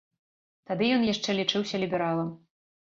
Тады ён яшчэ лічыўся лібералам.